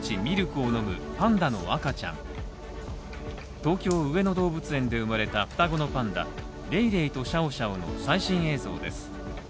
東京・上野動物園で生まれた双子のパンダレイレイとシャオシャオの最新映像です。